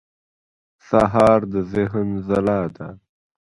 سهار د ذهن ځلا ده.